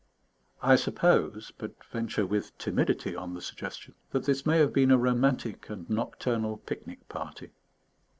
I suppose, but venture with timidity on the suggestion, that this may have been a romantic and nocturnal picnic party.